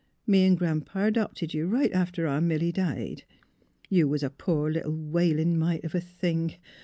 " Me an' Gran 'pa 'dopted you right after our Milly died. ... You was a poor little wailin' mite of a thing.